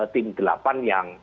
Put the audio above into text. tim delapan yang